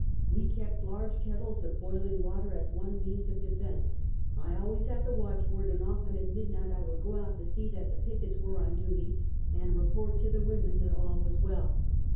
We kept large kettles of boiling water as one means of defense. I always had the watchword, and often at midnight I would go out to see that the pickets were on duty, and report to the women that all was well.